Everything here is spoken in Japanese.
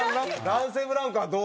男性ブランコはどうやったの？